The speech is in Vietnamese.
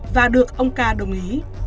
và được ông ca đồng ý